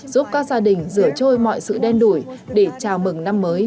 giúp các gia đình rửa trôi mọi sự đen đuổi để chào mừng năm mới